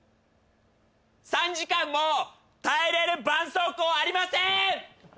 ３時間も耐えれるばんそうこうありません